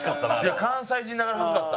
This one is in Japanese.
いや関西人ながら恥ずかった。